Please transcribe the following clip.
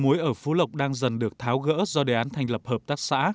muối ở phú lộc đang dần được tháo gỡ do đề án thành lập hợp tác xã